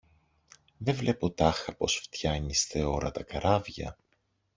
Δε βλέπω τάχα πως φτιάνεις θεόρατα καράβια;